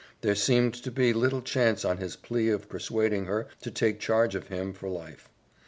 There seemed to be little chance on this plea of persuading her to take charge of him for life.